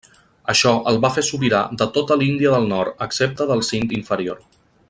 Això el va fer sobirà de tota l'Índia del Nord excepte el Sind inferior.